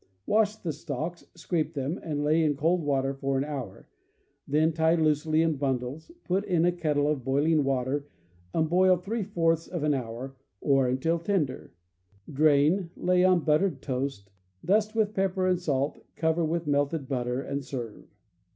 Wash the stalks, scrape them, and lay in cold water for an hour; then tie loosely in bundles, put in a kettle of boiling water and boil three fourths of an hour, or until tender; drain, lay on buttered toast, dust with pepper and salt, cover with melted butter, and serve.